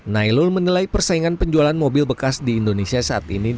nailul menilai persaingan mobil bekas di indonesia saat ini di indonesia